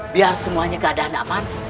biar semuanya keadaan aman